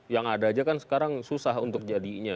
yang ada aja kan sekarang susah untuk jadinya